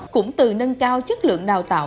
cũng từ nâng cao chất lượng đào tạo